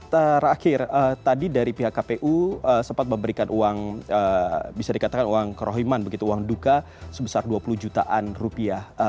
terakhir tadi dari pihak kpu sempat memberikan uang bisa dikatakan uang kerohiman begitu uang duka sebesar dua puluh jutaan rupiah